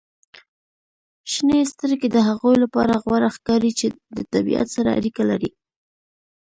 • شنې سترګې د هغوی لپاره غوره ښکاري چې د طبیعت سره اړیکه لري.